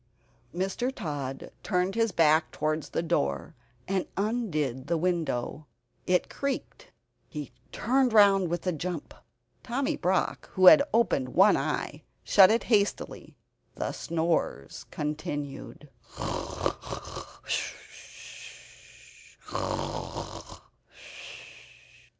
Mr. Tod turned his back towards the bed, and undid the window. It creaked; he turned round with a jump. Tommy Brock, who had opened one eye shut it hastily. The snores continued. Mr.